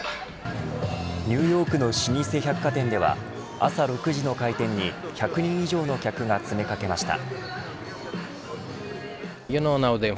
ニューヨークの老舗百貨店では朝６時の開店に１００人以上の客が詰め掛けました。